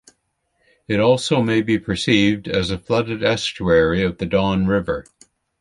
It also may be perceived as a flooded estuary of the Don River.